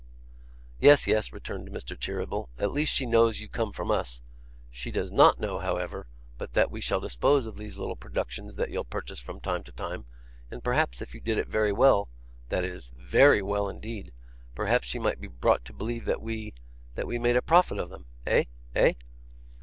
'Yes, yes,' returned Mr. Cheeryble; 'at least she knows you come from us; she does NOT know, however, but that we shall dispose of these little productions that you'll purchase from time to time; and, perhaps, if you did it very well (that is, VERY well indeed), perhaps she might be brought to believe that we that we made a profit of them. Eh? Eh?